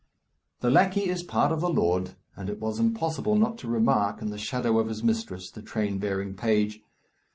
The lackey is part of the lord, and it was impossible not to remark, in the shadow of his mistress, the train bearing page.